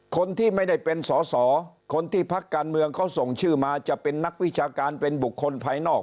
คนที่ไม่ได้เป็นสอสอคนที่พักการเมืองเขาส่งชื่อมาจะเป็นนักวิชาการเป็นบุคคลภายนอก